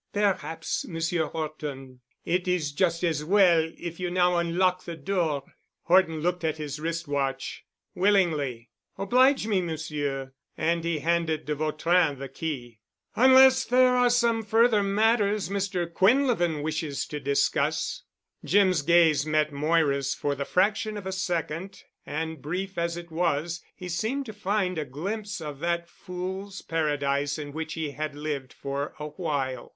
"Perhaps, Monsieur Horton, it is just as well if you now unlock the door." Horton looked at his wrist watch. "Willingly. Oblige me, Monsieur." And he handed de Vautrin the key. "Unless there are some further matters Mr. Quinlevin wishes to discuss." Jim's gaze met Moira's for the fraction of a second and brief as it was, he seemed to find a glimpse of that fool's paradise in which he had lived for a while.